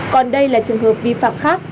còn đây là trường hợp vi phạm khác